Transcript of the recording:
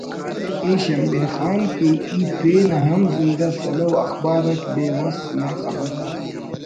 ءِ شمبے خان کہ ای پین ہم زندہ سلو اخبار اٹ بے وس نا خبر